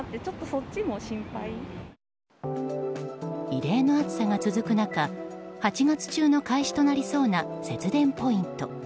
異例の暑さが続く中８月中の開始となりそうな節電ポイント。